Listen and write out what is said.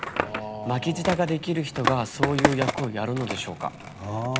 巻き舌ができる人がそういう役をやるのでしょうか？